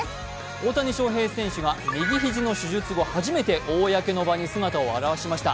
大谷翔平選手が右肘の手術後、初めて公の場に姿を現しました。